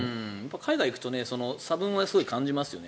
海外に行くと差分はすごい感じますよね。